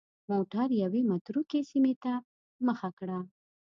موټر یوې متروکې سیمې ته مخه کړه.